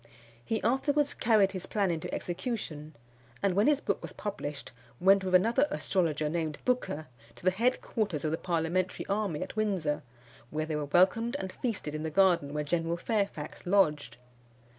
He afterwards carried his plan into execution, and when his book was published, went with another astrologer named Booker to the headquarters of the parliamentary army at Windsor, where they were welcomed and feasted in the garden where General Fairfax lodged.